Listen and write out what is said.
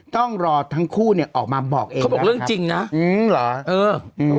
ต้องรอทั้งคู่เนี่ยออกมาบอกเองเขาบอกเรื่องจริงนะอืมเหรอเอออืม